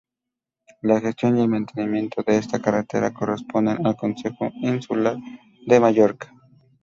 La gestión y el mantenimiento de esta carretera corresponden al Consejo Insular de Mallorca.